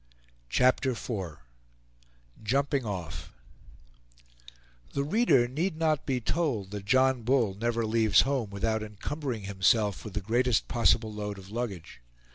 CHAPTER IV "JUMPING OFF" The reader need not be told that John Bull never leaves home without encumbering himself with the greatest possible load of luggage.